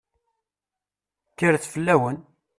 Kkret fell-awen!